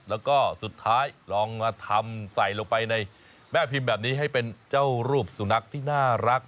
แล้วก็สุดท้ายลองมาทำใส่ลงไปในแม่พิมพ์แบบนี้ให้เป็นเจ้ารูปสุนัขที่น่ารัก